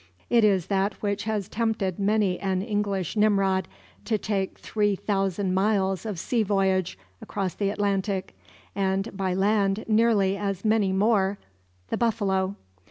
It is that which has tempted many an English Nimrod to take three thousand miles of sea voyage across the Atlantic, and by land nearly as many more the buffalo.